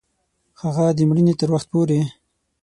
هغه د مړینې تر وخت پوري